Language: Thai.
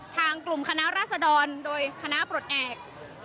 ทางกลุ่มคณะรัศดรโดยคณะปลดแอบ